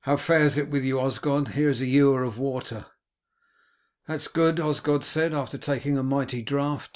"How fares it with you, Osgod? Here is a ewer of water." "That is good," Osgod said, after taking a mighty draught.